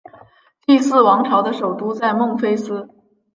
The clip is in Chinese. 第四王朝的首都在孟菲斯。